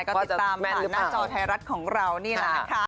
ก็ติดตามผ่านหน้าจอไทยรัฐของเรานี่แหละนะคะ